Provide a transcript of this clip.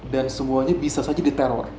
dan semuanya bisa saja diteror